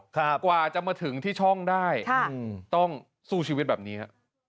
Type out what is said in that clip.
กว่าจะมาถึงที่ช่องได้อืมต้องสู้ชีวิตแบบนี้ฮะ